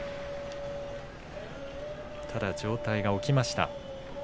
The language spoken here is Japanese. ただ上体が起きました。